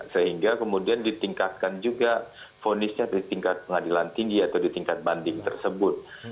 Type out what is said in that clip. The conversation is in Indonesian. sehingga kemudian ditingkatkan juga ponisnya di tingkat pengadilan tinggi atau di tingkat banding tersebut